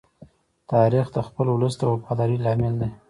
تاریخ د خپل ولس د وفادارۍ لامل دی.